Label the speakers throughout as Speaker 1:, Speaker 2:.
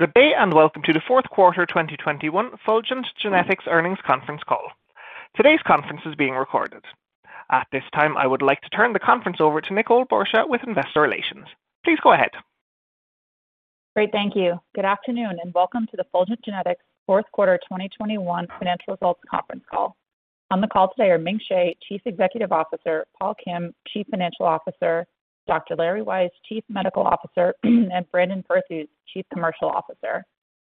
Speaker 1: Good day, and welcome to the fourth quarter 2021 Fulgent Genetics Earnings Conference Call. Today's conference is being recorded. At this time, I would like to turn the conference over to Lauren Sloane with Investor Relations. Please go ahead.
Speaker 2: Great. Thank you. Good afternoon, and welcome to the Fulgent Genetics fourth quarter 2021 financial results conference call. On the call today are Ming Hsieh, Chief Executive Officer, Paul Kim, Chief Financial Officer, Dr. Lawrence Weiss, Chief Medical Officer, and Brandon Perthuis, Chief Commercial Officer.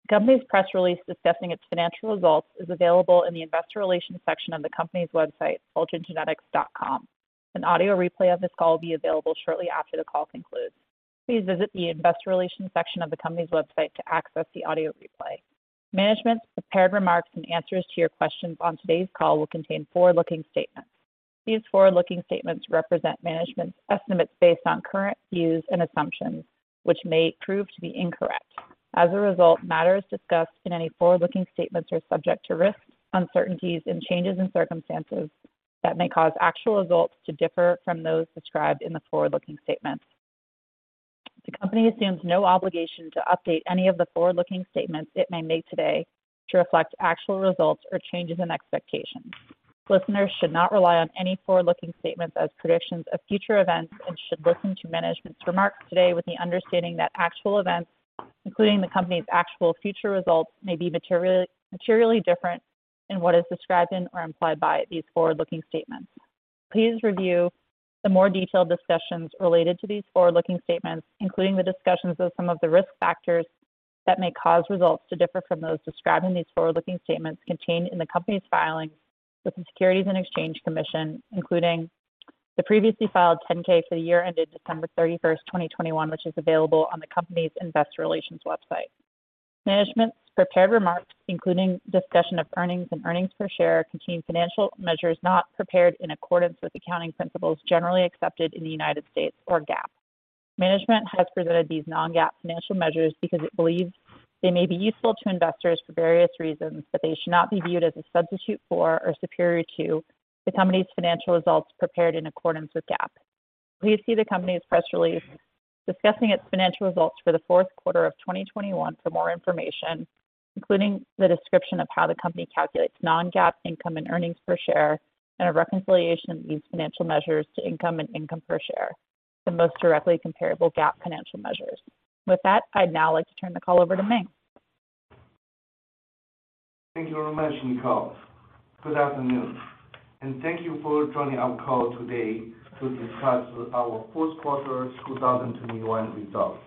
Speaker 2: The company's press release discussing its financial results is available in the investor relations section of the company's website, fulgentgenetics.com. An audio replay of this call will be available shortly after the call concludes. Please visit the investor relations section of the company's website to access the audio replay. Management's prepared remarks and answers to your questions on today's call will contain forward-looking statements. These forward-looking statements represent management's estimates based on current views and assumptions, which may prove to be incorrect. As a result, matters discussed in any forward-looking statements are subject to risks, uncertainties, and changes in circumstances that may cause actual results to differ from those described in the forward-looking statements. The company assumes no obligation to update any of the forward-looking statements it may make today to reflect actual results or changes in expectations. Listeners should not rely on any forward-looking statements as predictions of future events and should listen to management's remarks today with the understanding that actual events, including the company's actual future results, may be materially different than what is described in or implied by these forward-looking statements. Please review the more detailed discussions related to these forward-looking statements, including the discussions of some of the risk factors that may cause results to differ from those described in these forward-looking statements contained in the company's filing with the Securities and Exchange Commission, including the previously filed Form 10-K for the year ended 30th December 2021, which is available on the company's investor relations website. Management's prepared remarks, including discussion of earnings and earnings per share, contain financial measures not prepared in accordance with accounting principles generally accepted in the United States or GAAP. Management has presented these non-GAAP financial measures because it believes they may be useful to investors for various reasons, but they should not be viewed as a substitute for or superior to the company's financial results prepared in accordance with GAAP. Please see the company's press release discussing its financial results for the fourth quarter of 2021 for more information, including the description of how the company calculates non-GAAP income and earnings per share and a reconciliation of these financial measures to income and income per share, the most directly comparable GAAP financial measures. With that, I'd now like to turn the call over to Ming.
Speaker 3: Thank you very much, Nicole. Good afternoon, and thank you for joining our call today to discuss our fourth quarter 2021 results.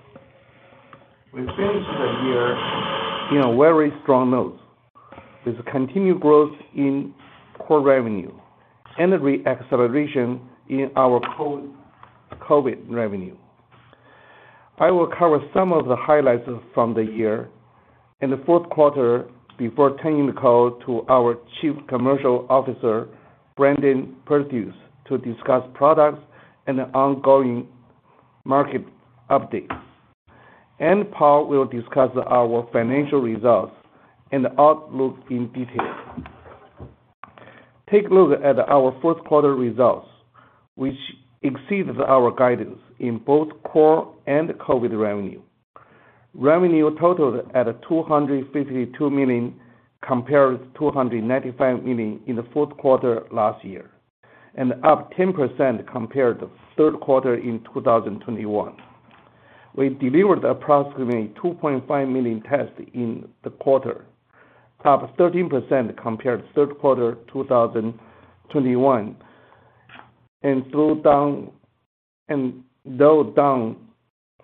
Speaker 3: We finished the year on a very strong note. There's a continued growth in core revenue and a re-acceleration in our post-COVID revenue. I will cover some of the highlights from the year in the fourth quarter before turning the call to our Chief Commercial Officer, Brandon Perthuis, to discuss products and ongoing market updates. Paul Kim will discuss our financial results and outlook in detail. Take a look at our fourth quarter results, which exceeds our guidance in both core and COVID revenue. Revenue totaled at $252 million, compared to $295 million in the fourth quarter last year, and up 10% compared to third quarter in 2021. We delivered approximately 2.5 million tests in the quarter, up 13% compared to third quarter 2021, and though down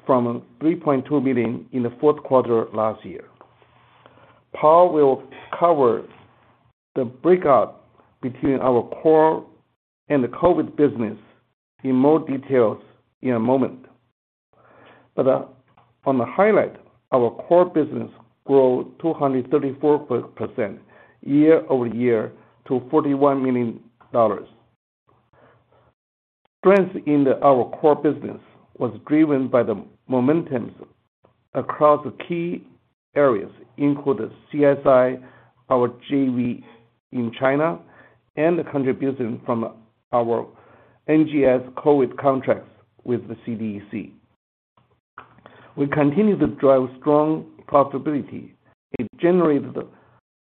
Speaker 3: from 3.2 million in the fourth quarter last year. Paul will cover the breakdown between our core and the COVID business in more detail in a moment. On the highlight, our core business grew 234% year-over-year to $41 million. Strength in our core business was driven by the momentum across key areas, including CSI, our JV in China, and the contribution from our NGS COVID contracts with the CDC. We continue to drive strong profitability. It generated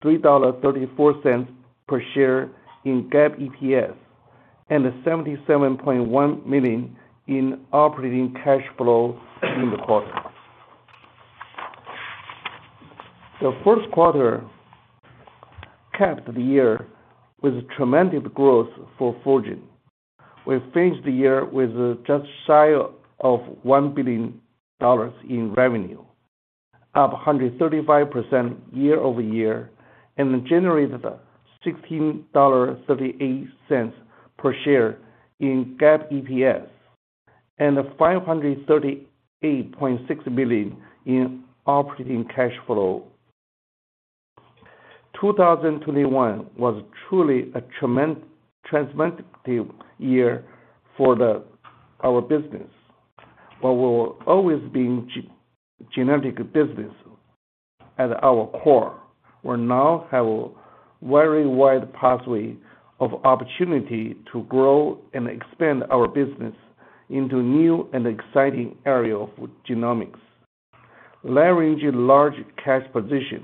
Speaker 3: $3.34 per share in GAAP EPS and $77.1 million in operating cash flow in the quarter. The first quarter capped the year with tremendous growth for Fulgent. We finished the year with just shy of $1 billion in revenue, up 135% year-over-year, and generated $16.38 per share in GAAP EPS and $538.6 million in operating cash flow. 2021 was truly a transformative year for our business. What will always be our genetic business at our core, we now have a very wide pathway of opportunity to grow and expand our business into new and exciting area of genomics. Leveraging large cash position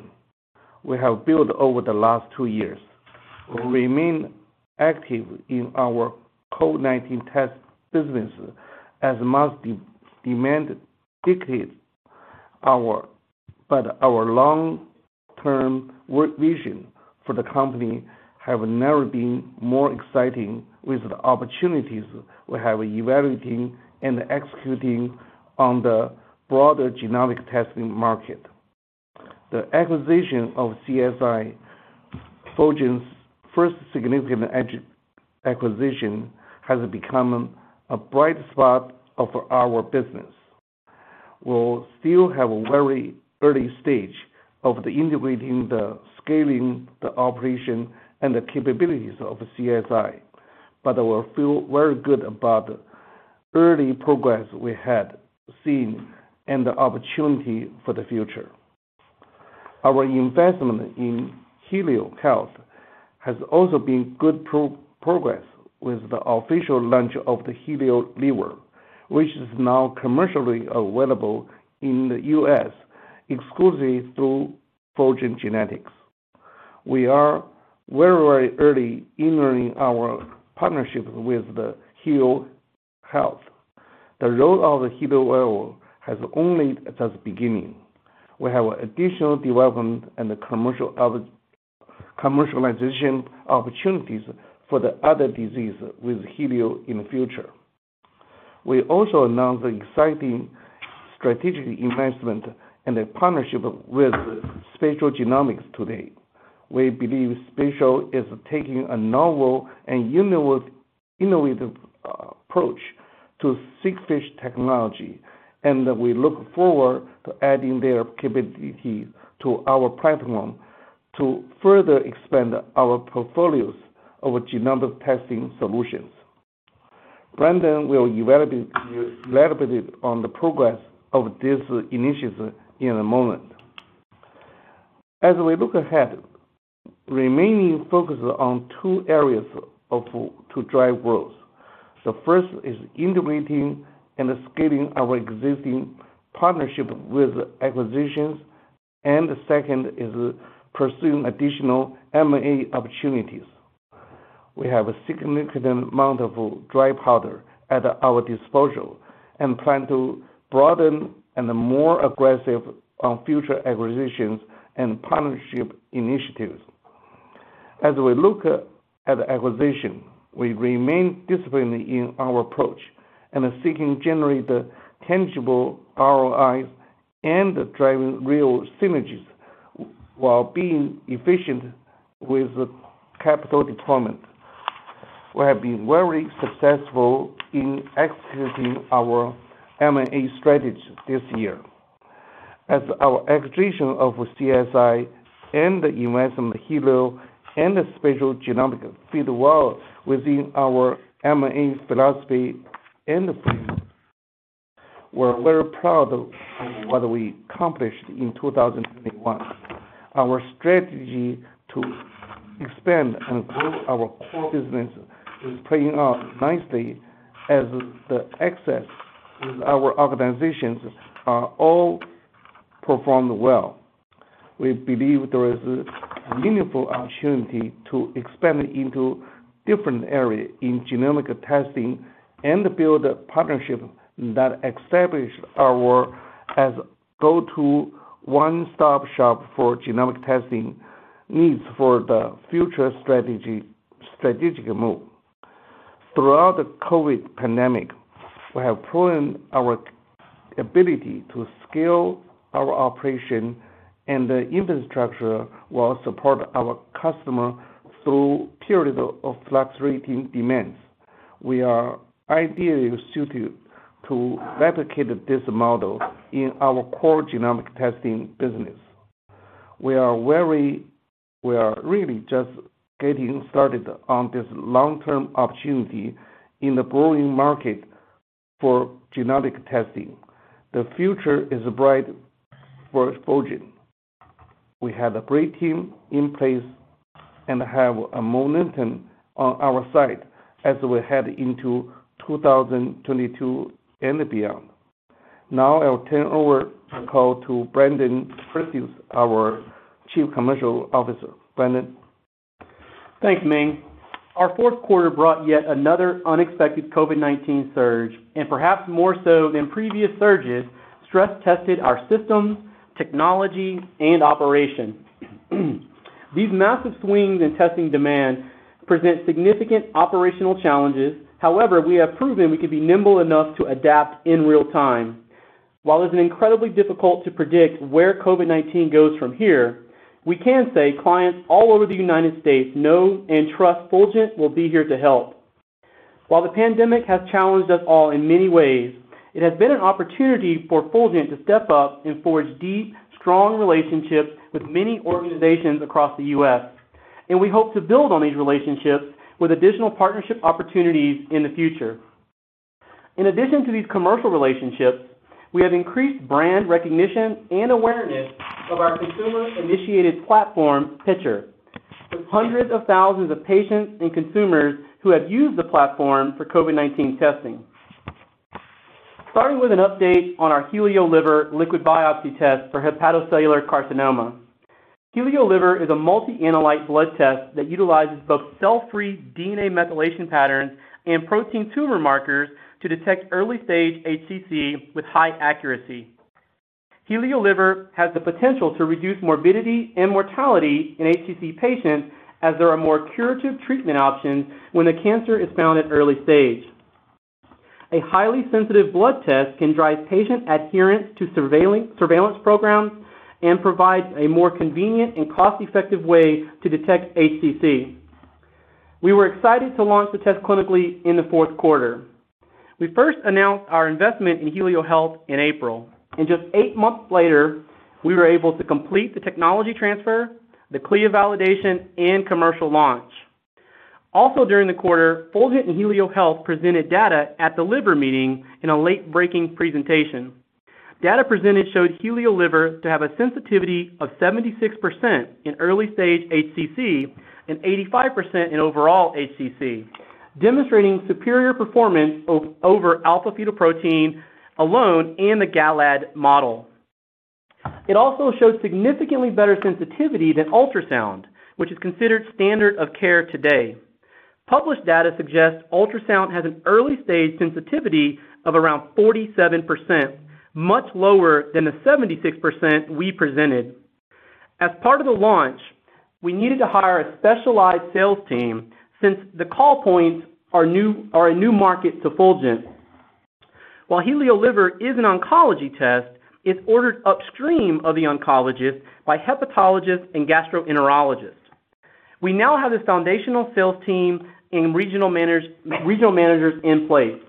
Speaker 3: we have built over the last two years, we remain active in our COVID-19 test business as demand decreases. Our long-term vision for the company have never been more exciting with the opportunities we have evaluating and executing on the broader genomic testing market. The acquisition of CSI, Fulgent's first significant acquisition, has become a bright spot of our business. We still have a very early stage of integrating the scaling, the operation, and the capabilities of CSI, but we feel very good about early progress we had seen and the opportunity for the future. Our investment in Helio Health has also been good progress with the official launch of the HelioLiver, which is now commercially available in the U.S., exclusively through Fulgent Genetics. We are very early in learning our partnership with Helio Health. The role of the HelioLiver has only just beginning. We have additional development and commercialization opportunities for the other disease with Helio in the future. We also announced the exciting strategic investment and a partnership with Spatial Genomics today. We believe Spatial Genomics is taking a novel and innovative approach to sequencing technology, and we look forward to adding their capabilities to our platform to further expand our portfolio of genomic testing solutions. Brandon will evaluate on the progress of this initiative in a moment. We look ahead, remaining focused on two areas to drive growth. The first is integrating and scaling our existing partnerships and acquisitions, and the second is pursuing additional M&A opportunities. We have a significant amount of dry powder at our disposal and plan to broaden and be more aggressive on future acquisitions and partnership initiatives. As we look at acquisitions, we remain disciplined in our approach and are seeking to generate tangible ROIs and drive real synergies while being efficient with capital deployment. We have been very successful in executing our M&A strategy this year. As our acquisition of CSI and the investment in Helio and the Spatial Genomics fit well within our M&A philosophy and framework. We're very proud of what we accomplished in 2021. Our strategy to expand and grow our core business is playing out nicely as the assets with our organizations are all performed well. We believe there is a meaningful opportunity to expand into different areas in genomic testing and build partnerships that establish our as go-to one-stop-shop for genomic testing needs for the future strategy, strategic move. Throughout the COVID pandemic, we have proven our ability to scale our operation and the infrastructure will support our customer through periods of fluctuating demands. We are ideally suited to replicate this model in our core genomic testing business. We are really just getting started on this long-term opportunity in the growing market for genomic testing. The future is bright for Fulgent. We have a great team in place and have a momentum on our side as we head into 2022 and beyond. Now I'll turn over the call to Brandon Perthuis, our Chief Commercial Officer. Brandon.
Speaker 4: Thanks, Ming. Our fourth quarter brought yet another unexpected COVID-19 surge, and perhaps more so than previous surges, stress tested our systems, technology, and operations. These massive swings in testing demand present significant operational challenges. However, we have proven we can be nimble enough to adapt in real time. While it's incredibly difficult to predict where COVID-19 goes from here, we can say clients all over the United States know and trust Fulgent will be here to help. While the pandemic has challenged us all in many ways, it has been an opportunity for Fulgent to step up and forge deep, strong relationships with many organizations across the U.S., and we hope to build on these relationships with additional partnership opportunities in the future. In addition to these commercial relationships, we have increased brand recognition and awareness of our consumer-initiated platform, Picture, with hundreds of thousands of patients and consumers who have used the platform for COVID-19 testing. Starting with an update on our HelioLiver liquid biopsy test for hepatocellular carcinoma. HelioLiver is a multi-analyte blood test that utilizes both cell-free DNA methylation patterns and protein tumor markers to detect early-stage HCC with high accuracy. HelioLiver has the potential to reduce morbidity and mortality in HCC patients, as there are more curative treatment options when the cancer is found at early stage. A highly sensitive blood test can drive patient adherence to surveillance programs and provides a more convenient and cost-effective way to detect HCC. We were excited to launch the test clinically in the fourth quarter. We first announced our investment in Helio Health in April. Just eight months later, we were able to complete the technology transfer, the CLIA validation, and commercial launch. Also during the quarter, Fulgent and Helio Health presented data at the Liver Meeting in a late-breaking presentation. Data presented showed HelioLiver to have a sensitivity of 76% in early-stage HCC and 85% in overall HCC, demonstrating superior performance over alpha-fetoprotein alone in the GALAD model. It also showed significantly better sensitivity than ultrasound, which is considered standard of care today. Published data suggests ultrasound has an early-stage sensitivity of around 47%, much lower than the 76% we presented. As part of the launch, we needed to hire a specialized sales team since the call points are a new market to Fulgent. While HelioLiver is an oncology test, it's ordered upstream of the oncologist by hepatologists and gastroenterologists. We now have the foundational sales team and regional managers in place.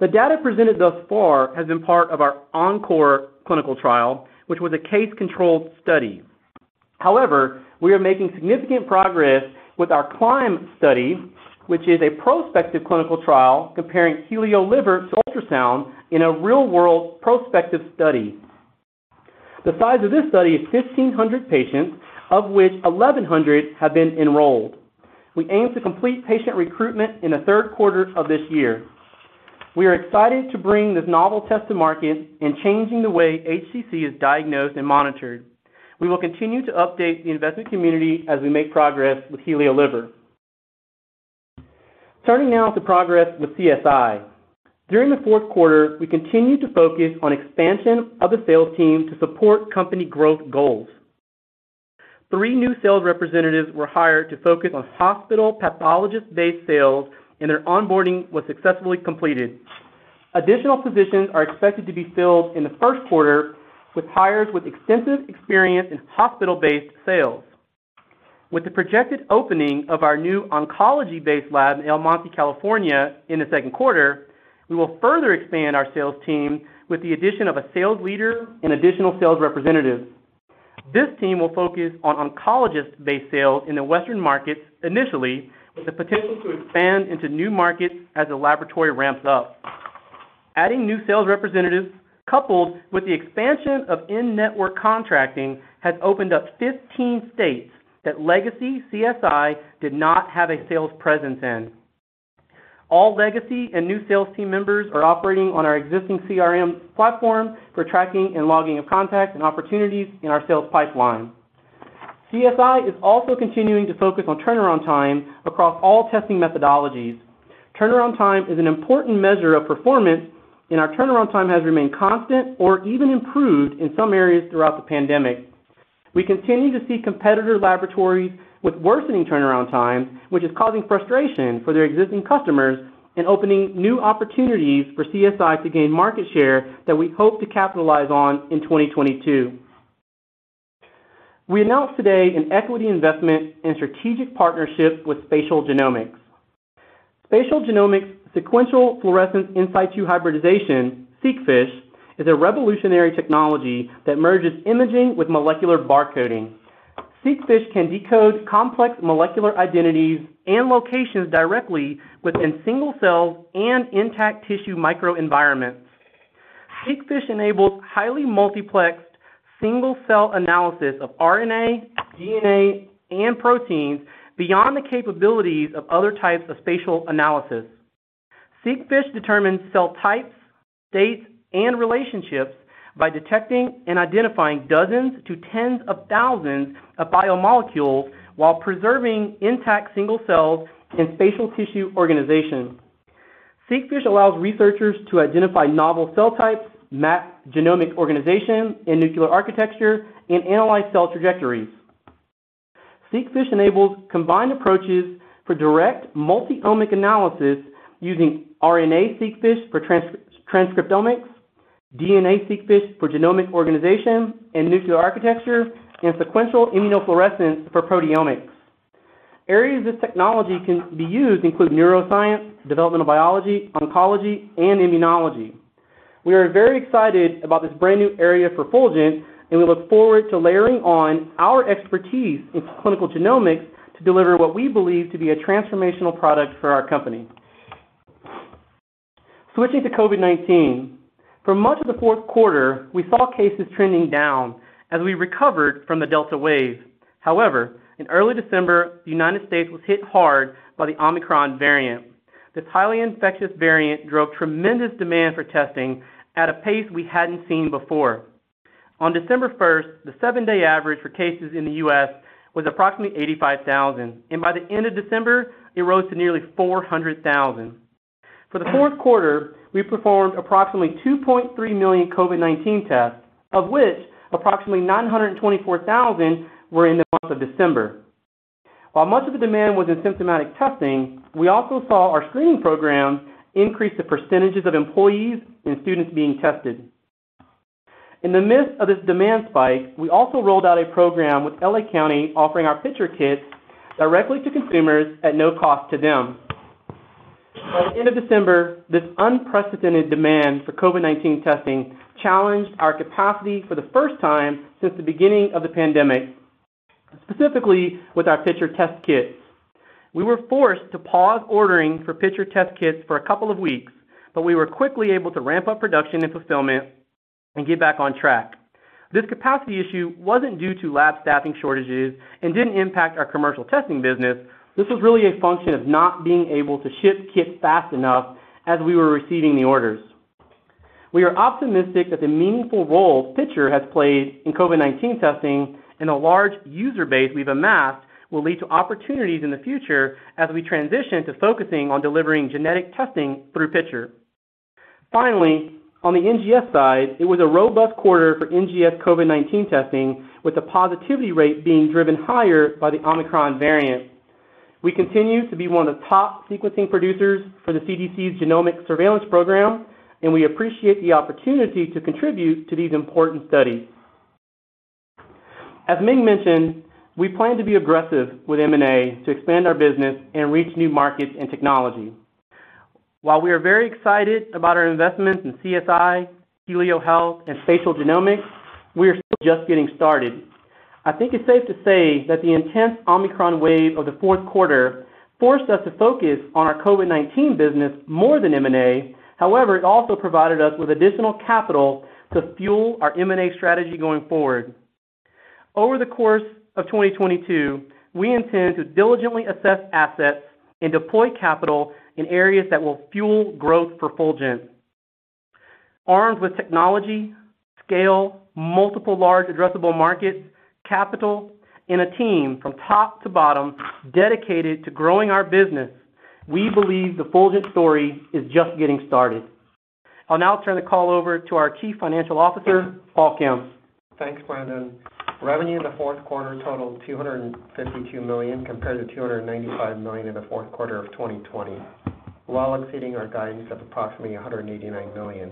Speaker 4: The data presented thus far has been part of our ENCORE clinical trial, which was a case-controlled study. However, we are making significant progress with our CLIMB study, which is a prospective clinical trial comparing HelioLiver to ultrasound in a real-world prospective study. The size of this study is 1,500 patients, of which 1,100 have been enrolled. We aim to complete patient recruitment in the third quarter of this year. We are excited to bring this novel test to market in changing the way HCC is diagnosed and monitored. We will continue to update the investment community as we make progress with HelioLiver. Turning now to progress with CSI. During the fourth quarter, we continued to focus on expansion of the sales team to support company growth goals. Three new sales representatives were hired to focus on hospital pathologist-based sales, and their onboarding was successfully completed. Additional positions are expected to be filled in the first quarter with hires with extensive experience in hospital-based sales. With the projected opening of our new oncology-based lab in El Monte, California, in the second quarter, we will further expand our sales team with the addition of a sales leader and additional sales representatives. This team will focus on oncologist-based sales in the Western markets initially, with the potential to expand into new markets as the laboratory ramps up. Adding new sales representatives, coupled with the expansion of in-network contracting, has opened up 15 states that legacy CSI did not have a sales presence in. All legacy and new sales team members are operating on our existing CRM platform for tracking and logging of contacts and opportunities in our sales pipeline. CSI is also continuing to focus on turnaround time across all testing methodologies. Turnaround time is an important measure of performance, and our turnaround time has remained constant or even improved in some areas throughout the pandemic. We continue to see competitor laboratories with worsening turnaround times, which is causing frustration for their existing customers and opening new opportunities for CSI to gain market share that we hope to capitalize on in 2022. We announced today an equity investment in strategic partnership with Spatial Genomics. Spatial Genomics' sequential fluorescence in situ hybridization, seqFISH, is a revolutionary technology that merges imaging with molecular barcoding. SeqFISH can decode complex molecular identities and locations directly within single cells and intact tissue microenvironments. SeqFISH enables highly multiplexed single-cell analysis of RNA, DNA, and proteins beyond the capabilities of other types of spatial analysis. SeqFISH determines cell types, states, and relationships by detecting and identifying dozens to tens of thousands of biomolecules while preserving intact single cells and spatial tissue organization. SeqFISH allows researchers to identify novel cell types, map genomic organization and nuclear architecture, and analyze cell trajectories. SeqFISH enables combined approaches for direct multi-omic analysis using RNA seqFISH for transcriptomics, DNA seqFISH for genomic organization and nuclear architecture, and sequential immunofluorescence for proteomics. Areas this technology can be used include neuroscience, developmental biology, oncology, and immunology. We are very excited about this brand new area for Fulgent, and we look forward to layering on our expertise in clinical genomics to deliver what we believe to be a transformational product for our company. Switching to COVID-19. For much of the fourth quarter, we saw cases trending down as we recovered from the Delta wave. However, in early December, the United States was hit hard by the Omicron variant. This highly infectious variant drove tremendous demand for testing at a pace we hadn't seen before. On December first, the seven-day average for cases in the U.S. was approximately 85,000, and by the end of December, it rose to nearly 400,000. For the fourth quarter, we performed approximately 2.3 million COVID-19 tests, of which approximately 924,000 were in the month of December. While much of the demand was in symptomatic testing, we also saw our screening program increase the percentages of employees and students being tested. In the midst of this demand spike, we also rolled out a program with L.A. County offering our Picture kits directly to consumers at no cost to them. By the end of December, this unprecedented demand for COVID-19 testing challenged our capacity for the first time since the beginning of the pandemic, specifically with our Picture test kits. We were forced to pause ordering for Picture test kits for a couple of weeks, but we were quickly able to ramp up production and fulfillment and get back on track. This capacity issue wasn't due to lab staffing shortages and didn't impact our commercial testing business. This was really a function of not being able to ship kits fast enough as we were receiving the orders. We are optimistic that the meaningful role Picture Genetics has played in COVID-19 testing and the large user base we've amassed will lead to opportunities in the future as we transition to focusing on delivering genetic testing through Picture Genetics. Finally, on the NGS side, it was a robust quarter for NGS COVID-19 testing, with the positivity rate being driven higher by the Omicron variant. We continue to be one of the top sequencing producers for the CDC's Genomic Surveillance Program, and we appreciate the opportunity to contribute to these important studies. As Ming mentioned, we plan to be aggressive with M&A to expand our business and reach new markets and technology. While we are very excited about our investments in CSI, Helio Health, and Spatial Genomics, we are still just getting started. I think it's safe to say that the intense Omicron wave of the fourth quarter forced us to focus on our COVID-19 business more than M&A. However, it also provided us with additional capital to fuel our M&A strategy going forward. Over the course of 2022, we intend to diligently assess assets and deploy capital in areas that will fuel growth for Fulgent. Armed with technology, scale, multiple large addressable markets, capital, and a team from top to bottom dedicated to growing our business, we believe the Fulgent story is just getting started. I'll now turn the call over to our Chief Financial Officer, Paul Kim.
Speaker 5: Thanks, Brandon. Revenue in the fourth quarter totaled $252 million, compared to $295 million in the fourth quarter of 2020, while exceeding our guidance of approximately $189 million.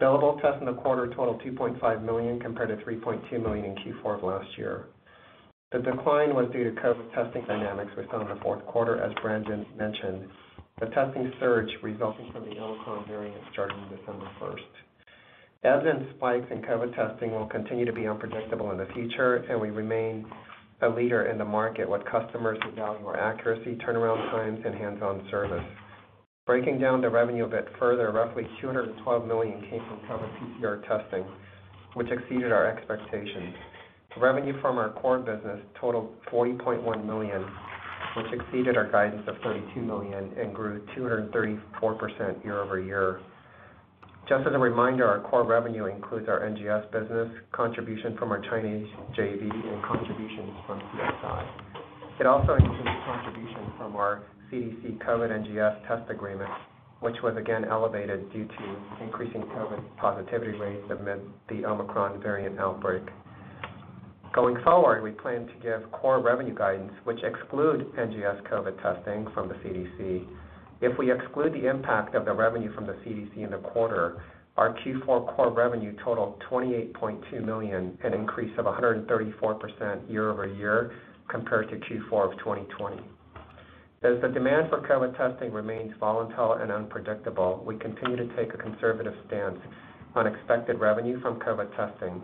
Speaker 5: Billable tests in the quarter totaled 2.5 million, compared to 3.2 million in Q4 of last year. The decline was due to COVID testing dynamics we saw in the fourth quarter, as Brandon mentioned, the testing surge resulting from the Omicron variant starting December first. Ebbs and spikes in COVID testing will continue to be unpredictable in the future, and we remain a leader in the market with customers who value our accuracy, turnaround times, and hands-on service. Breaking down the revenue a bit further, roughly $212 million came from COVID PCR testing, which exceeded our expectations. Revenue from our core business totaled $40.1 million, which exceeded our guidance of $32 million and grew 234% year-over-year. Just as a reminder, our core revenue includes our NGS business, contribution from our Chinese JV, and contributions from CSI. It also includes contributions from our CDC COVID NGS test agreement, which was again elevated due to increasing COVID positivity rates amid the Omicron variant outbreak. Going forward, we plan to give core revenue guidance which exclude NGS COVID testing from the CDC. If we exclude the impact of the revenue from the CDC in the quarter, our Q4 core revenue totaled $28.2 million, an increase of 134% year-over-year compared to Q4 of 2020. As the demand for COVID testing remains volatile and unpredictable, we continue to take a conservative stance on expected revenue from COVID testing.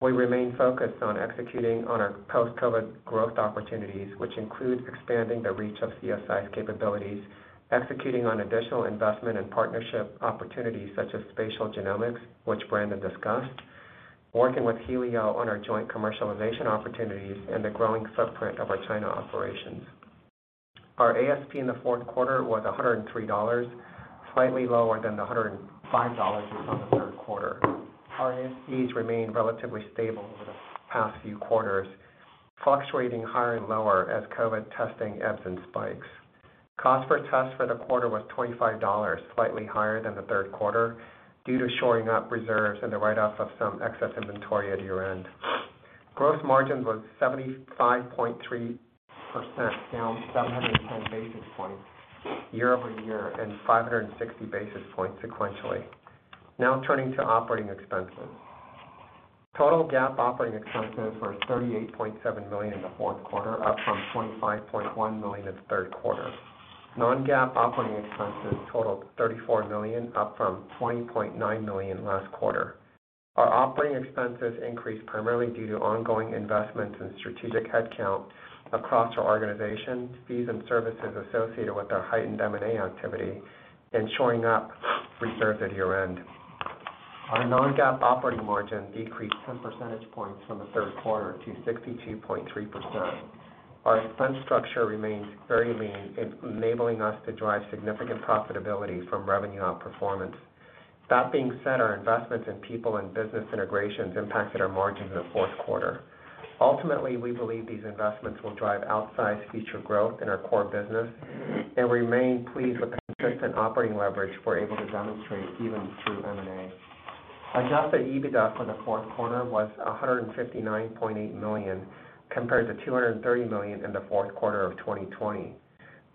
Speaker 5: We remain focused on executing on our post-COVID growth opportunities, which includes expanding the reach of CSI's capabilities, executing on additional investment and partnership opportunities such as Spatial Genomics, which Brandon discussed, working with Helio on our joint commercialization opportunities, and the growing footprint of our China operations. Our ASP in the fourth quarter was $103, slightly lower than the $105 we saw in the third quarter. Our ASPs remained relatively stable over the past few quarters, fluctuating higher and lower as COVID testing ebbs and spikes. Cost per test for the quarter was $25, slightly higher than the third quarter due to shoring up reserves and the write-off of some excess inventory at year-end. Gross margin was 75.3%, down 710 basis points year over year and 560 basis points sequentially. Now turning to operating expenses. Total GAAP operating expenses were $38.7 million in the fourth quarter, up from $25.1 million in the third quarter. Non-GAAP operating expenses totaled $34 million, up from $20.9 million last quarter. Our operating expenses increased primarily due to ongoing investments in strategic headcount across our organization, fees and services associated with our heightened M&A activity, and shoring up reserves at year-end. Our non-GAAP operating margin decreased 10 percentage points from the third quarter to 62.3%. Our expense structure remains very lean, enabling us to drive significant profitability from revenue outperformance. That being said, our investments in people and business integrations impacted our margins in the fourth quarter. Ultimately, we believe these investments will drive outsized future growth in our core business and remain pleased with the consistent operating leverage we're able to demonstrate even through M&A. Adjusted EBITDA for the fourth quarter was $159.8 million, compared to $230 million in the fourth quarter of 2020.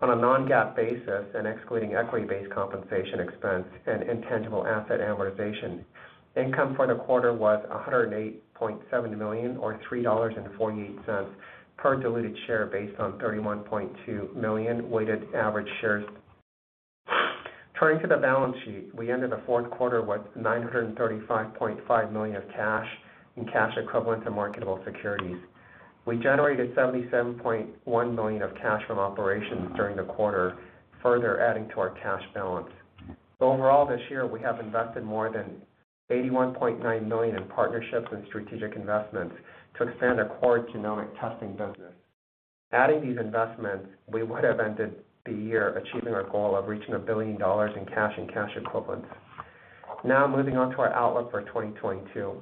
Speaker 5: On a non-GAAP basis and excluding equity-based compensation expense and intangible asset amortization, income for the quarter was $108.7 million or $3.48 per diluted share based on 31.2 million weighted average shares. Turning to the balance sheet, we ended the fourth quarter with $935.5 million of cash in cash equivalents and marketable securities. We generated $77.1 million of cash from operations during the quarter, further adding to our cash balance. Overall, this year we have invested more than $81.9 million in partnerships and strategic investments to expand our core genomic testing business. Adding these investments, we would have ended the year achieving our goal of reaching $1 billion in cash and cash equivalents. Now moving on to our outlook for 2022.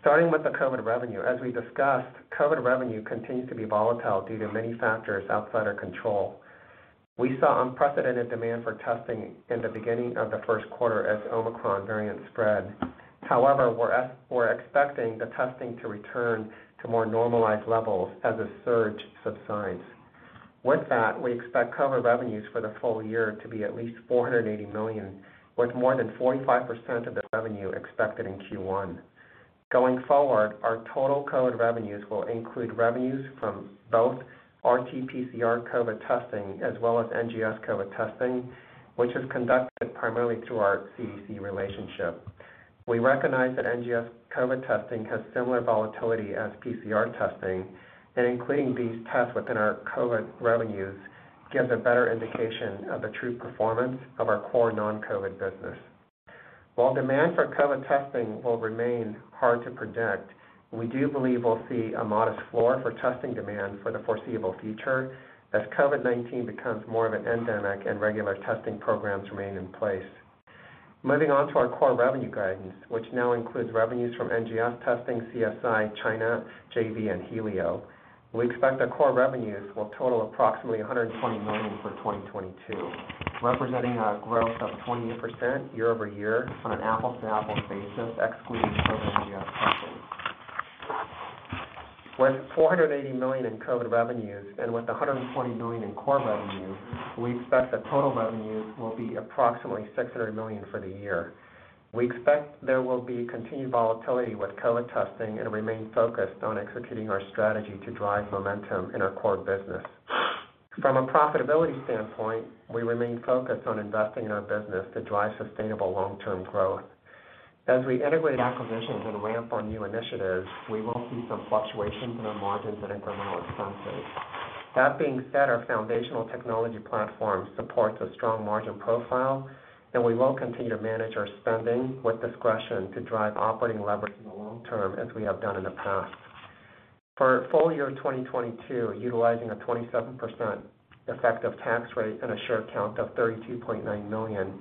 Speaker 5: Starting with the COVID revenue, as we discussed, COVID revenue continues to be volatile due to many factors outside our control. We saw unprecedented demand for testing in the beginning of the first quarter as Omicron variant spread. However, we're expecting the testing to return to more normalized levels as the surge subsides. With that, we expect COVID revenues for the full year to be at least $480 million, with more than 45% of the revenue expected in Q1. Going forward, our total COVID revenues will include revenues from both RT-PCR COVID testing as well as NGS COVID testing, which is conducted primarily through our CDC relationship. We recognize that NGS COVID testing has similar volatility as PCR testing, and including these tests within our COVID revenues gives a better indication of the true performance of our core non-COVID business. While demand for COVID testing will remain hard to predict, we do believe we'll see a modest floor for testing demand for the foreseeable future as COVID-19 becomes more of an endemic and regular testing programs remain in place. Moving on to our core revenue guidance, which now includes revenues from NGS testing, CSI, China, JV and Helio. We expect that core revenues will total approximately $120 million for 2022, representing a growth of 20% year-over-year on an apples-to-apples basis, excluding COVID NGS testing. With $480 million in COVID revenues and with $120 million in core revenue, we expect that total revenues will be approximately $600 million for the year. We expect there will be continued volatility with COVID testing and remain focused on executing our strategy to drive momentum in our core business. From a profitability standpoint, we remain focused on investing in our business to drive sustainable long-term growth. As we integrate acquisitions and ramp our new initiatives, we will see some fluctuations in our margins and incremental expenses. That being said, our foundational technology platform supports a strong margin profile, and we will continue to manage our spending with discretion to drive operating leverage in the long term as we have done in the past. For full year 2022, utilizing a 27% effective tax rate and a share count of 32.9 million,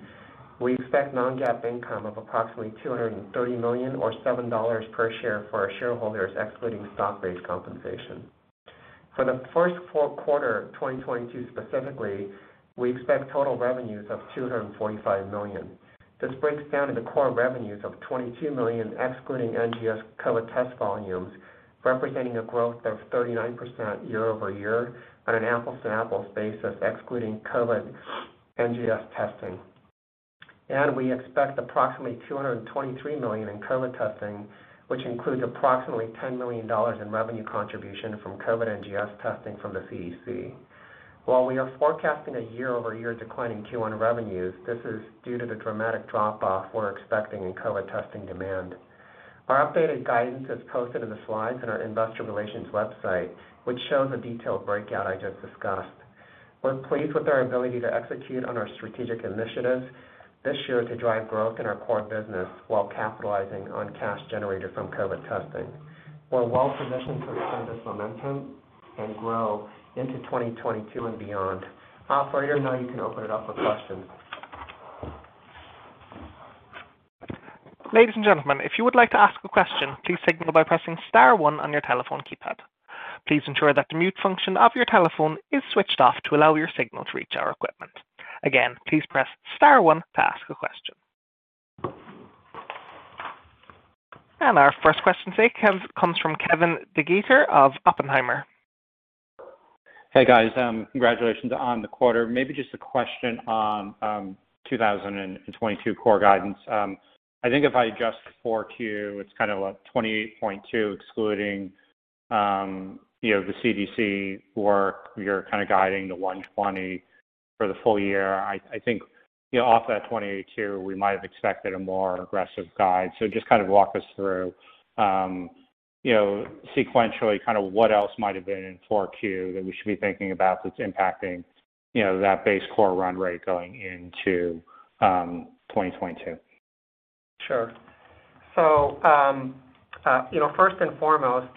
Speaker 5: we expect non-GAAP income of approximately $230 million or $7 per share for our shareholders, excluding stock-based compensation. For the first full quarter of 2022 specifically, we expect total revenues of $245 million. This breaks down into core revenues of $22 million, excluding NGS COVID test volumes, representing a growth of 39% year over year on an apples-to-apples basis, excluding COVID NGS testing. We expect approximately $223 million in COVID testing, which includes approximately $10 million in revenue contribution from COVID NGS testing from the CDC. While we are forecasting a year-over-year decline in Q1 revenues, this is due to the dramatic drop off we're expecting in COVID testing demand. Our updated guidance is posted in the slides in our investor relations website, which shows a detailed breakout I just discussed. We're pleased with our ability to execute on our strategic initiatives this year to drive growth in our core business while capitalizing on cash generated from COVID testing. We're well positioned to extend this momentum and grow into 2022 and beyond. Operator, now you can open it up for questions.
Speaker 1: Ladies and gentlemen, if you would like to ask a question, please signal by pressing star one on your telephone keypad. Please ensure that the mute function of your telephone is switched off to allow your signal to reach our equipment. Again, please press star one to ask a question. Our first question today comes from Kevin DeGeeter of Oppenheimer.
Speaker 6: Hey guys, congratulations on the quarter. Maybe just a question on 2022 core guidance. I think if I adjust 4Q, it's kind of like $28.2 excluding, you know, the CDC work. You're kind of guiding the $120 for the full year. I think, you know, off that $28.2, we might have expected a more aggressive guide. Just kind of walk us through, you know, sequentially kind of what else might have been in 4Q that we should be thinking about that's impacting, you know, that base core run rate going into 2022.
Speaker 5: Sure. You know, first and foremost,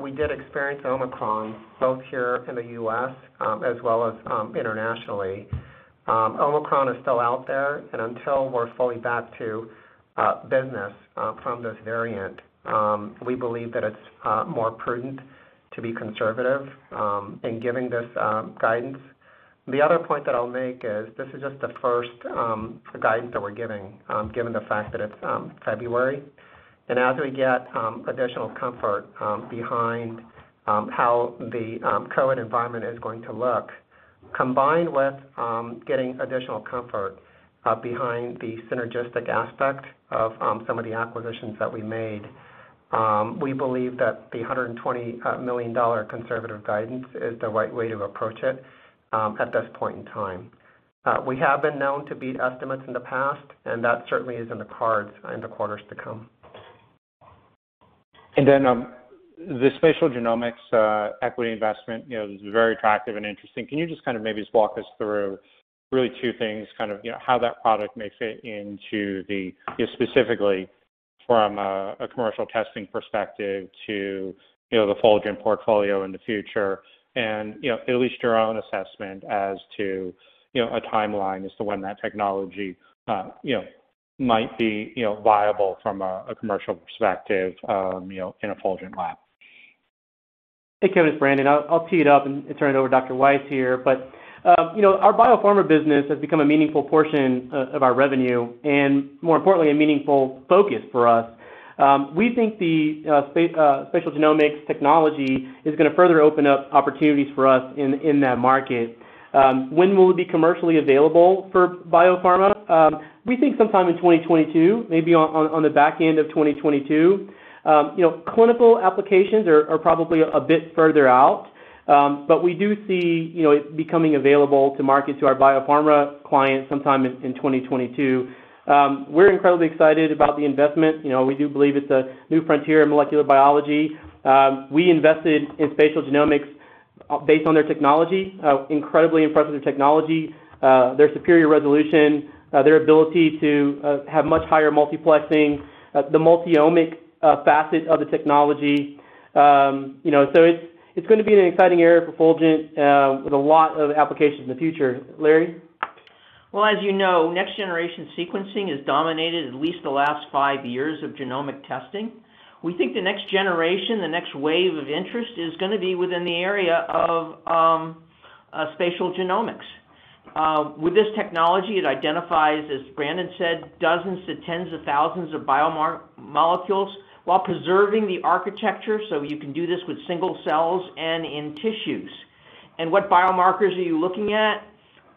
Speaker 5: we did experience Omicron both here in the U.S., as well as, internationally. Omicron is still out there, and until we're fully back to business from this variant, we believe that it's more prudent to be conservative in giving this guidance. The other point that I'll make is this is just the first guidance that we're giving, given the fact that it's February. As we get additional comfort behind how the COVID environment is going to look, combined with getting additional comfort behind the synergistic aspect of some of the acquisitions that we made, we believe that the $120 million conservative guidance is the right way to approach it at this point in time. We have been known to beat estimates in the past, and that certainly is in the cards in the quarters to come.
Speaker 6: The Spatial Genomics equity investment, you know, is very attractive and interesting. Can you just kind of maybe just walk us through really two things, kind of, you know, how that product may fit into the, you know, specifically from a commercial testing perspective to, you know, the Fulgent portfolio in the future and, you know, at least your own assessment as to, you know, a timeline as to when that technology, you know, might be, you know, viable from a commercial perspective, you know, in a Fulgent lab.
Speaker 4: Hey, Kevin, it's Brandon. I'll tee it up and turn it over to Dr. Weiss here. You know, our biopharma business has become a meaningful portion of our revenue and more importantly, a meaningful focus for us. We think the spatial genomics technology is gonna further open up opportunities for us in that market. When will it be commercially available for biopharma? We think sometime in 2022, maybe on the back end of 2022. You know, clinical applications are probably a bit further out. But we do see, you know, it becoming available to market to our biopharma clients sometime in 2022. We're incredibly excited about the investment. You know, we do believe it's a new frontier in molecular biology. We invested in Spatial Genomics based on their technology. Incredibly impressed with their technology, their superior resolution, their ability to have much higher multiplexing, the multi-omic facet of the technology. You know, so it's gonna be an exciting area for Fulgent, with a lot of applications in the future. Larry?
Speaker 7: Well, as you know, next generation sequencing has dominated at least the last five years of genomic testing. We think the next generation, the next wave of interest is gonna be within the area of spatial genomics. With this technology, it identifies, as Brandon said, dozens to tens of thousands of biomolecules while preserving the architecture, so you can do this with single cells and in tissues. What biomarkers are you looking at?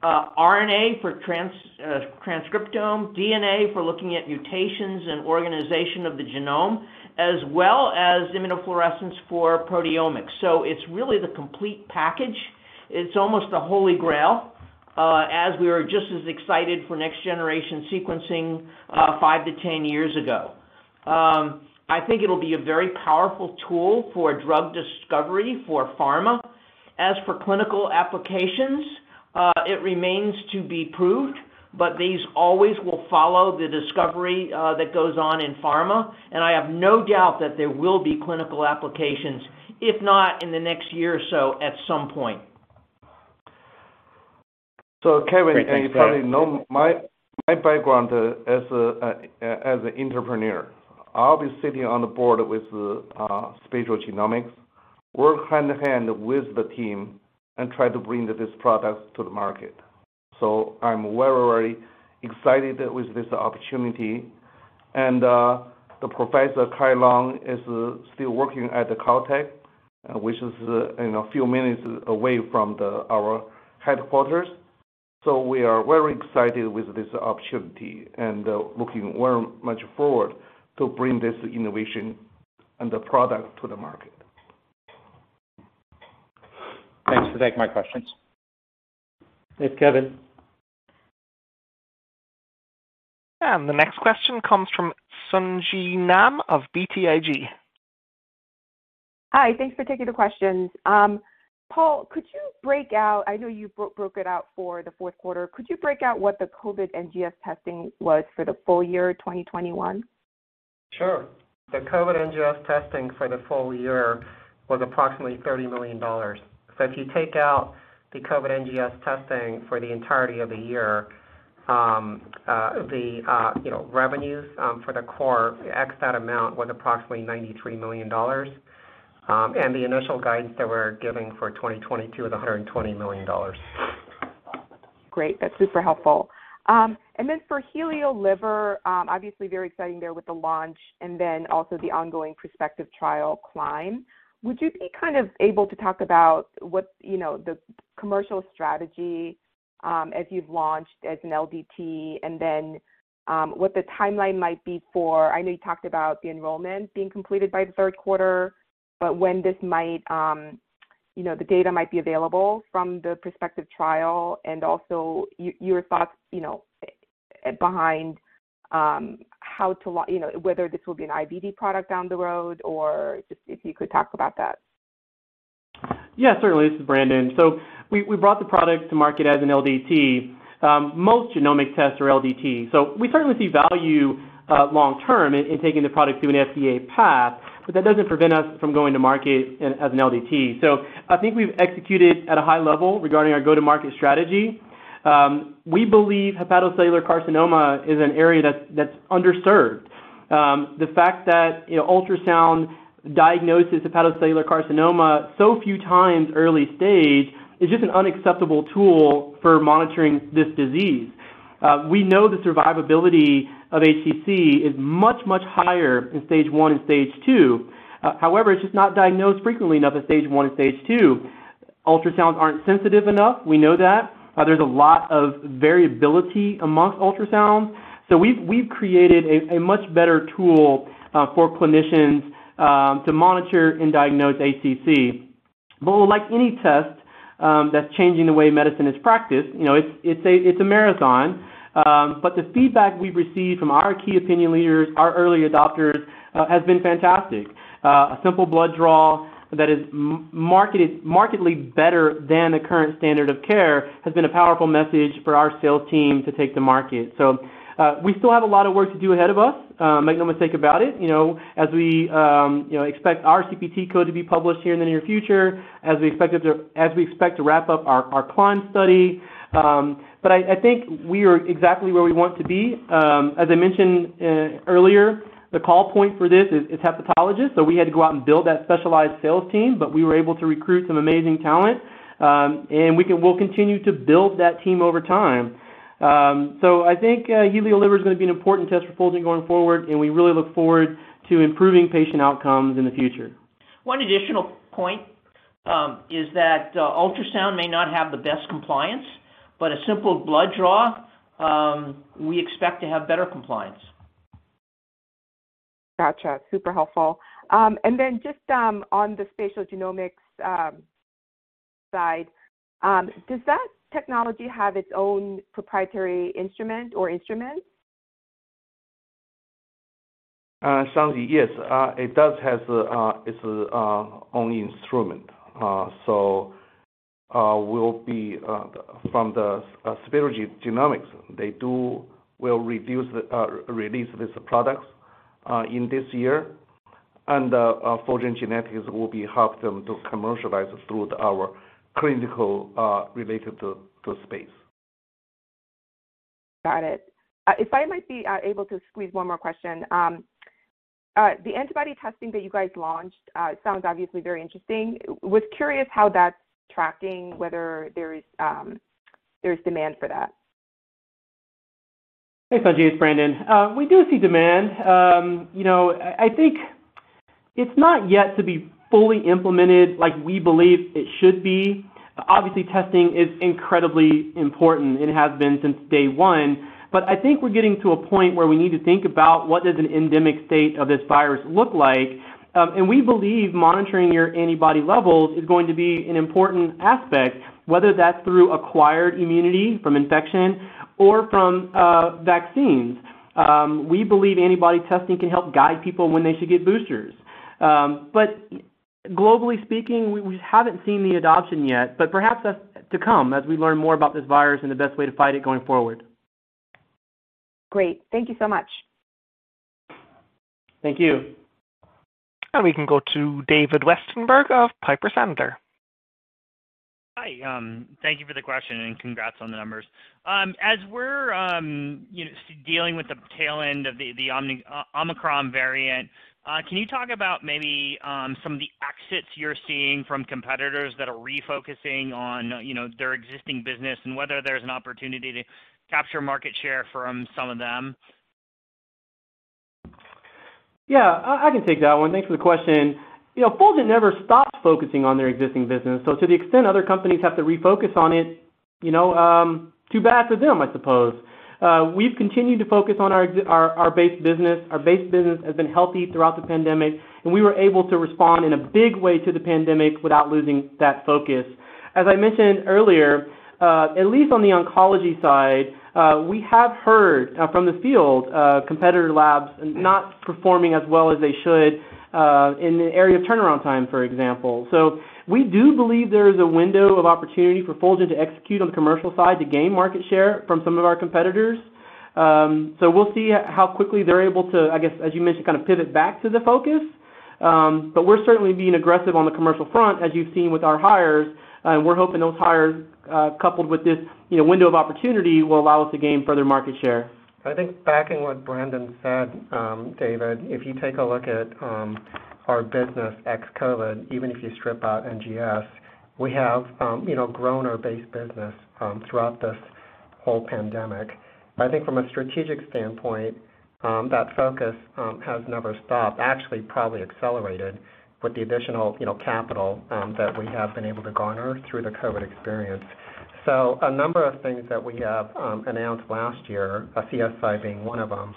Speaker 7: RNA for transcriptome, DNA for looking at mutations and organization of the genome, as well as immunofluorescence for proteomics. It's really the complete package. It's almost the holy grail, as we were just as excited for next generation sequencing, five to 10 years ago. I think it'll be a very powerful tool for drug discovery for pharma. As for clinical applications, it remains to be proved, but these always will follow the discovery that goes on in pharma, and I have no doubt that there will be clinical applications, if not in the next year or so, at some point.
Speaker 5: Kevin, and you probably know my background as an entrepreneur. I'll be sitting on the board with the Spatial Genomics, work hand-in-hand with the team and try to bring this product to the market. I'm very excited with this opportunity. The Professor Long Cai is still working at Caltech, which is a few minutes away from our headquarters. We are very excited with this opportunity and looking very much forward to bring this innovation and the product to the market.
Speaker 6: Thanks. That's my questions.
Speaker 5: Thanks, Kevin.
Speaker 1: The next question comes from Sung ji Nam of BTIG.
Speaker 8: Hi. Thanks for taking the questions. Paul, could you break out what the COVID NGS testing was for the full year 2021? I know you broke it out for the fourth quarter.
Speaker 5: Sure. The COVID NGS testing for the full year was approximately $30 million. If you take out the COVID NGS testing for the entirety of the year, the, you know, revenues for the core, ex that amount, was approximately $93 million. The initial guidance that we're giving for 2022 is $120 million.
Speaker 8: Great. That's super helpful. For HelioLiver, obviously very exciting there with the launch and then also the ongoing prospective trial CLIMB. Would you be kind of able to talk about what's, you know, the commercial strategy, as you've launched as an LDT, and then, what the timeline might be for. I know you talked about the enrollment being completed by the third quarter, but when this might, you know, the data might be available from the prospective trial, and also your thoughts, you know, behind, how you know, whether this will be an IVD product down the road or just if you could talk about that.
Speaker 4: Yeah, certainly. This is Brandon. We brought the product to market as an LDT. Most genomic tests are LDT, so we certainly see value long term in taking the product through an FDA path, but that doesn't prevent us from going to market as an LDT. I think we've executed at a high level regarding our go-to-market strategy. We believe hepatocellular carcinoma is an area that's underserved. The fact that, you know, ultrasound diagnoses hepatocellular carcinoma so few times early stage is just an unacceptable tool for monitoring this disease. We know the survivability of HCC is much higher in stage one and stage two. However, it's just not diagnosed frequently enough at stage one and stage two. Ultrasounds aren't sensitive enough, we know that. There's a lot of variability amongst ultrasounds. We've created a much better tool for clinicians to monitor and diagnose HCC. Like any test that's changing the way medicine is practiced, you know, it's a marathon. The feedback we've received from our key opinion leaders, our early adopters has been fantastic. A simple blood draw that is markedly better than the current standard of care has been a powerful message for our sales team to take to market. We still have a lot of work to do ahead of us, make no mistake about it, you know, as we, you know, expect our CPT code to be published here in the near future, as we expect to wrap up our CLIMB study. I think we are exactly where we want to be. As I mentioned earlier, the call point for this is hepatologists, so we had to go out and build that specialized sales team, we were able to recruit some amazing talent. We'll continue to build that team over time. I think HelioLiver is going to be an important test for Fulgent going forward, and we really look forward to improving patient outcomes in the future.
Speaker 5: One additional point is that ultrasound may not have the best compliance, but a simple blood draw, we expect to have better compliance.
Speaker 8: Gotcha. Super helpful. Just on the Spatial Genomics side, does that technology have its own proprietary instrument or instruments?
Speaker 3: Sung Ji, yes. It does have its own instrument. We'll release these products from Spatial Genomics in this year. Fulgent Genetics will help them to commercialize through our clinical related to spatial.
Speaker 8: Got it. If I might be able to squeeze one more question. The antibody testing that you guys launched sounds obviously very interesting. I was curious how that's tracking, whether there's demand for that.
Speaker 4: Hey, Sung Ji, it's Brandon. We do see demand. You know, I think it's not yet to be fully implemented like we believe it should be. Obviously, testing is incredibly important and has been since day one. I think we're getting to a point where we need to think about what does an endemic state of this virus look like. We believe monitoring your antibody levels is going to be an important aspect, whether that's through acquired immunity from infection or from vaccines. We believe antibody testing can help guide people when they should get boosters. Globally speaking, we haven't seen the adoption yet, but perhaps that's to come as we learn more about this virus and the best way to fight it going forward.
Speaker 8: Great. Thank you so much.
Speaker 4: Thank you.
Speaker 1: Now we can go to David Westenberg of Piper Sandler.
Speaker 9: Hi. Thank you for the question and congrats on the numbers. As we're you know dealing with the tail end of the Omicron variant, can you talk about maybe some of the exits you're seeing from competitors that are refocusing on you know their existing business and whether there's an opportunity to capture market share from some of them?
Speaker 4: Yeah, I can take that one. Thanks for the question. You know, Fulgent never stops focusing on their existing business. To the extent other companies have to refocus on it, you know, too bad for them, I suppose. We've continued to focus on our base business. Our base business has been healthy throughout the pandemic, and we were able to respond in a big way to the pandemic without losing that focus. As I mentioned earlier, at least on the oncology side, we have heard from the field, competitor labs not performing as well as they should in the area of turnaround time, for example. We do believe there is a window of opportunity for Fulgent to execute on the commercial side to gain market share from some of our competitors. We'll see how quickly they're able to, I guess, as you mentioned, kind of pivot back to the focus. We're certainly being aggressive on the commercial front, as you've seen with our hires, and we're hoping those hires, coupled with this, you know, window of opportunity, will allow us to gain further market share.
Speaker 5: I think backing what Brandon said, David, if you take a look at Our business ex-COVID, even if you strip out NGS, we have, you know, grown our base business throughout this whole pandemic. I think from a strategic standpoint, that focus has never stopped. Actually, probably accelerated with the additional, you know, capital that we have been able to garner through the COVID experience. A number of things that we have announced last year, CSI being one of them,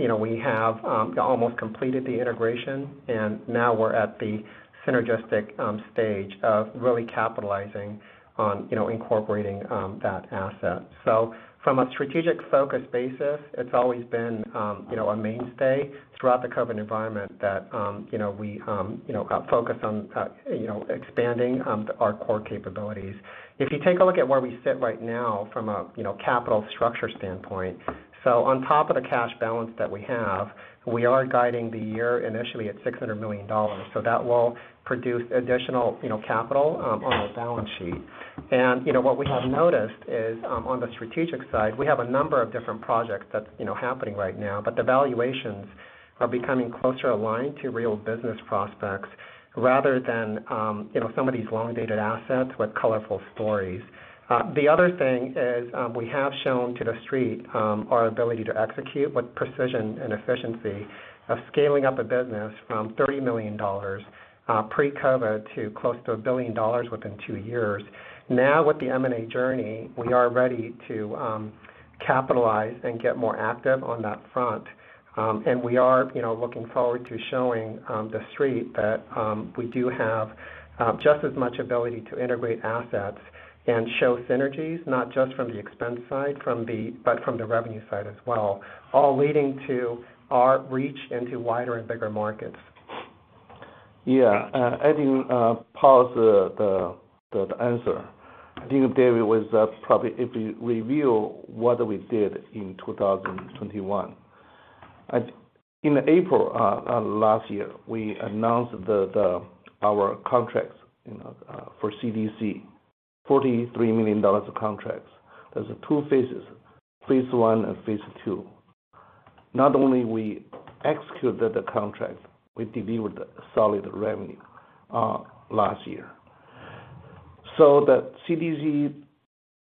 Speaker 5: you know, we have almost completed the integration, and now we're at the synergistic stage of really capitalizing on, you know, incorporating that asset. From a strategic focus basis, it's always been, you know, a mainstay throughout the COVID environment that, you know, we, you know, focus on, you know, expanding our core capabilities. If you take a look at where we sit right now from a you know capital structure standpoint, so on top of the cash balance that we have, we are guiding the year initially at $600 million. That will produce additional you know capital on our balance sheet. You know what we have noticed is on the strategic side, we have a number of different projects that's you know happening right now, but the valuations are becoming closer aligned to real business prospects rather than you know some of these long-dated assets with colorful stories. The other thing is we have shown to the street our ability to execute with precision and efficiency of scaling up a business from $30 million pre-COVID to close to $1 billion within two years. Now, with the M&A journey, we are ready to capitalize and get more active on that front. We are, you know, looking forward to showing the street that we do have just as much ability to integrate assets and show synergies, not just from the expense side, but from the revenue side as well, all leading to our reach into wider and bigger markets.
Speaker 3: I think if we review what we did in 2021. In April last year, we announced our contracts, you know, for CDC, $43 million of contracts. There are two phases, phase I and phase II. Not only did we execute the contract, we delivered solid revenue last year. The CDC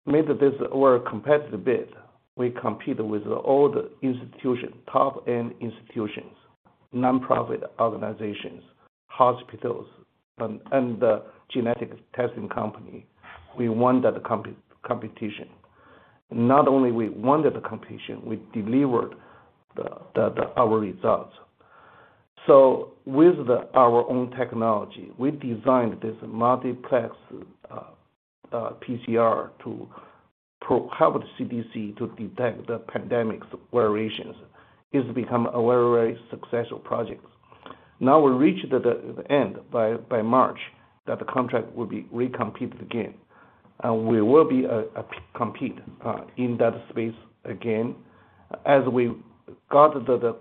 Speaker 3: made this a competitive bid. We competed with all the institutions, top-end institutions, nonprofit organizations, hospitals and the genetic testing companies. We won that competition. Not only did we win the competition, we delivered our results. With our own technology, we designed this multiplex PCR to help CDC detect the pandemic's variations. It has become a very successful project. Now we reached the end by March that the contract will be recompeted again, and we will compete in that space again. As we got the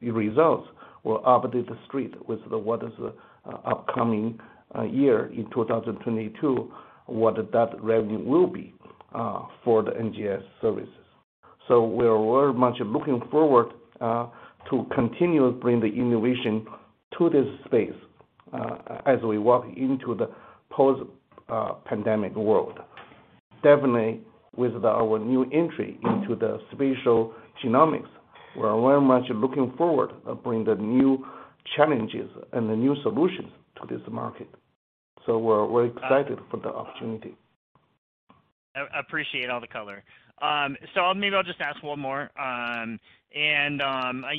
Speaker 3: results, we'll update the street with what is upcoming year in 2022, what that revenue will be for the NGS services. We're very much looking forward to continue to bring the innovation to this space as we walk into the post pandemic world. Definitely with our new entry into the spatial genomics, we're very much looking forward bring the new challenges and the new solutions to this market. We're excited for the opportunity.
Speaker 9: I appreciate all the color. Maybe I'll just ask one more. You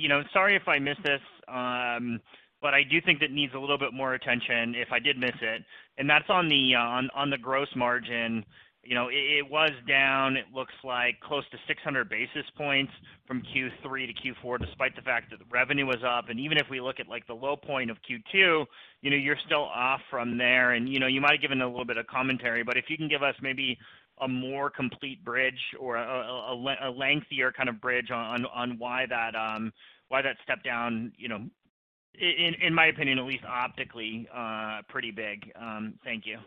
Speaker 9: know, sorry if I missed this, but I do think it needs a little bit more attention if I did miss it. That's on the gross margin. You know, it was down, it looks like close to 600 basis points from Q3 to Q4, despite the fact that the revenue was up. Even if we look at, like, the low point of Q2, you know, you're still off from there. You know, you might have given a little bit of commentary, but if you can give us maybe a more complete bridge or a lengthier kind of bridge on why that stepped down, you know, in my opinion, at least optically, pretty big. Thank you.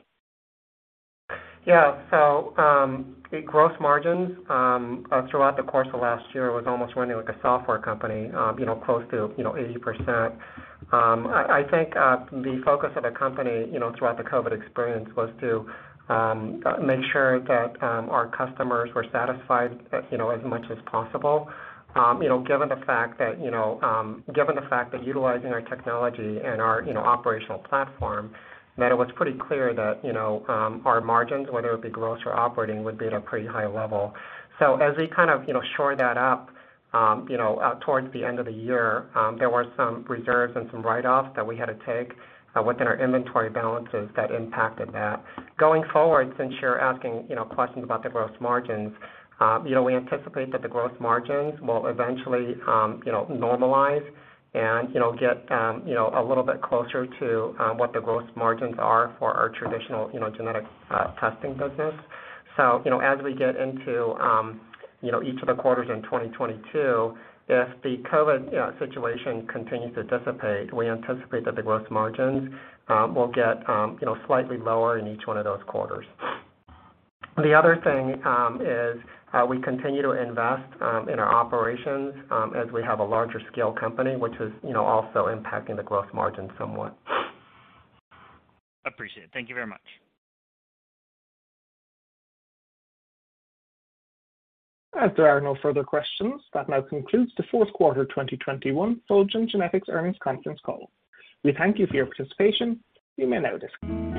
Speaker 5: Yeah. The gross margins throughout the course of last year was almost running like a software company, you know, close to 80%. I think the focus of the company, you know, throughout the COVID experience was to make sure that our customers were satisfied, you know, as much as possible. You know, given the fact that utilizing our technology and our operational platform, that it was pretty clear that our margins, whether it be gross or operating, would be at a pretty high level. As we kind of, you know, shore that up, you know, towards the end of the year, there were some reserves and some write-offs that we had to take, within our inventory balances that impacted that. Going forward, since you're asking, you know, questions about the gross margins, you know, we anticipate that the gross margins will eventually, you know, normalize and, you know, get, you know, a little bit closer to, what the gross margins are for our traditional, you know, genetic testing business. You know, as we get into, you know, each of the quarters in 2022, if the COVID situation continues to dissipate, we anticipate that the gross margins, will get, you know, slightly lower in each one of those quarters. The other thing is we continue to invest in our operations as we have a larger scale company, which is, you know, also impacting the gross margin somewhat.
Speaker 9: Appreciate it. Thank you very much.
Speaker 1: As there are no further questions, that now concludes the fourth quarter of 2021 Fulgent Genetics Earnings Conference Call. We thank you for your participation. You may now disconnect.